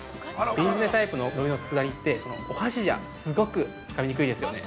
瓶詰タイプの、のりの佃煮って、お箸じゃ、すごくつかみにくいですよね。